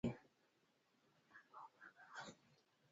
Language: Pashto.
د ټاکنې پر ځای چانس اغېزناک وي.